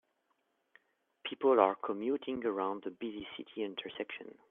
People are commuting around a busy city intersection